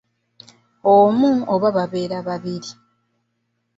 Omu oba babeera babiri.